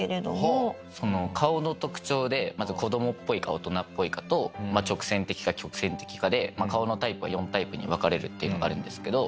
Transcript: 顔の特徴でまず子供っぽいか大人っぽいかと直線的か曲線的かで顔のタイプは４タイプに分かれるっていうのがあるんですけど。